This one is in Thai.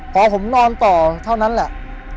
พอผมนอนต่อเท่านั้นแหละ